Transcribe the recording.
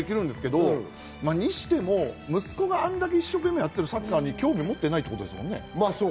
にしても、息子があんなに一生懸命やっているサッカーに興味を持ってないってことですね。